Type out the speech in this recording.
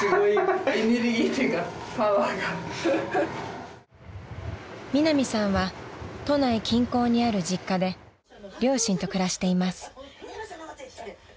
［ミナミさんは都内近郊にある実家で両親と暮らしています］